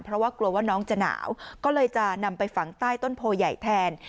เพราะว่ากลัวว่าน้องจะหนาวก็เลยจะนำไปฝังใต้ต้นโพใหญ่แทน